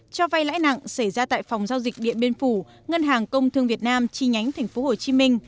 cho vay lãi nặng xảy ra tại phòng giao dịch điện biên phủ ngân hàng công thương việt nam chi nhánh tp hcm